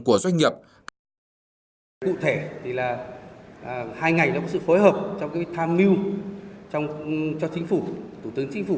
của doanh nghiệp